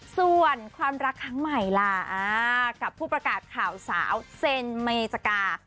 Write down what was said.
ส่วนความรักครั้งใหม่ล่ะกับผู้ประกาศข่าวสาวเซนเมจกา